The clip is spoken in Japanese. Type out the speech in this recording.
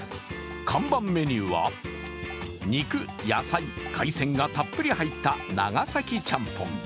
看板メニューは肉、野菜、海鮮がたっぷり入った長崎ちゃんぽん。